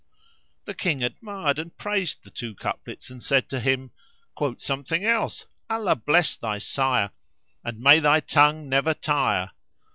The King admired and praised the two couplets and said to him, "Quote something else; Allah bless thy sire and may thy tongue never tire!"